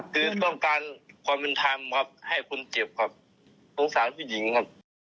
คือต้องการความเป็นธรรมครับให้คนเจ็บครับสงสารผู้หญิงครับ